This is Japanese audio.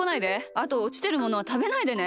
あとおちてるものはたべないでね。